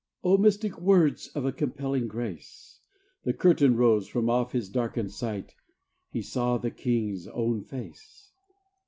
Oh, mystic words Of a compelling grace: The curtain rose from off his darkened sight He saw the King's own face.